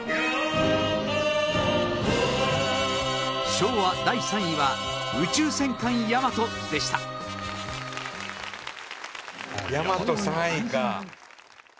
昭和、第３位は『宇宙戦艦ヤマト』でした伊達：『ヤマト』、３位か！